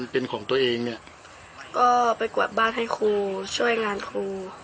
เป็นของตัวเองเนี่ยก็ไปกวาดบ้านให้ครูช่วยงานครู